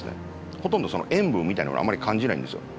ほとんど塩分みたいなのはあまり感じないんですよ。